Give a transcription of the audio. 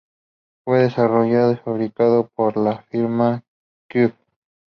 Fue desarrollado y fabricado por la firma Krupp.